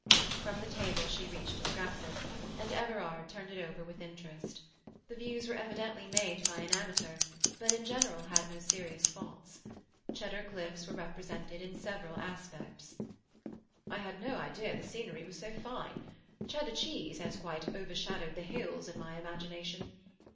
From the table she reached a scrapbook, and Everard turned it over with interest. The views were evidently made by an amateur, but in general had no serious faults. Cheddar cliffs were represented in several aspects. "I had no idea the scenery was so fine. Cheddar cheese has quite overshadowed the hills in my imagination.